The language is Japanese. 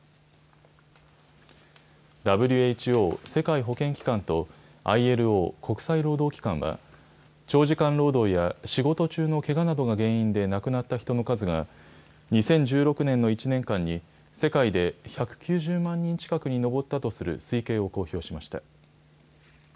ＷＨＯ・世界保健機関とＩＬＯ・国際労働機関は、長時間労働や仕事中のけがなどが原因で亡くなった人の数が、２０１６年の１年間に世界で１９０万人近くに上ったとする推計を公表しました。